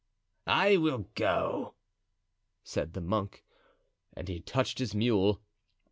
"I will go," said the monk. And he touched his mule.